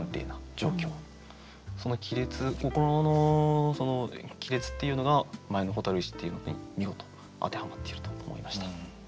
その亀裂心の亀裂っていうのが前の「蛍石」っていうのに見事当てはまっていると思いました。